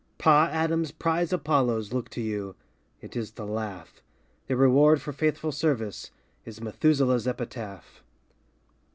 Pa Adam's prize Apollos Look to you (It is to laugh) Their reward for faithful service, Is Methuselah's Epitaph.